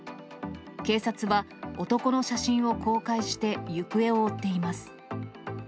警察は、男の写真を公開して行方を追っています。